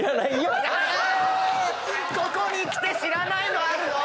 ここにきて知らないのあるの⁉